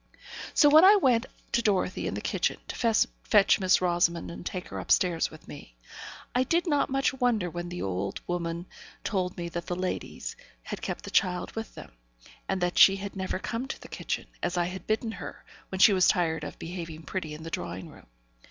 So when I went to Dorothy in the kitchen, to fetch Miss Rosamond and take her upstairs with me, I did not much wonder when the old woman told me that the ladies had kept the child with them, and that she had never come to the kitchen, as I had bidden her, when she was tired of behaving pretty in the drawing room.